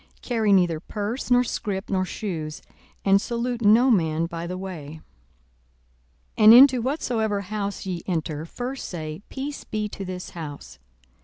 42:010:004 Carry neither purse, nor scrip, nor shoes: and salute no man by the way. 42:010:005 And into whatsoever house ye enter, first say, Peace be to this house.